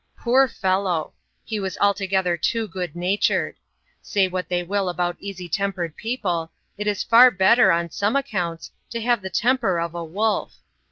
Poor fellow! he was altogether too good natured. Say what they will about easy tempered people, it is far better, on some accounts, to have the temper of a wolf.